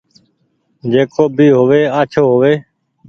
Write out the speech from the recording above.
جڪو بي هووي آچهو هووي